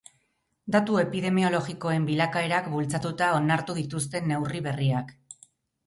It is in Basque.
Datu epidemiologikoen bilakaerak bultzatuta onartu dituzte neurri berriak.